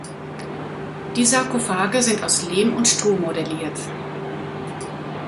Die Sarkophage sind aus Lehm und Stroh modelliert.